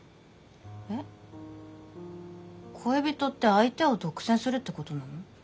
えっ恋人って相手を独占するってことなの？